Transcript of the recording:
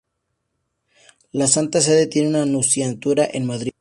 La Santa Sede tiene una Nunciatura en Madrid.